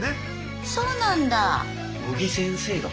そうなんだ。